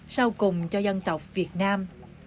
sau cùng cho dân tộc việt nam